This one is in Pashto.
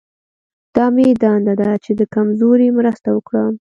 دا مې دنده ده چې د کمزوري مرسته وکړم.